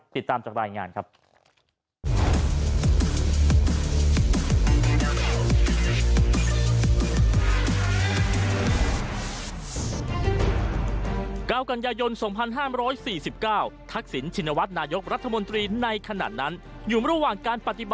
ติดตามจากรายงานครับ